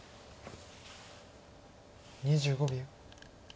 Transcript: ２５秒。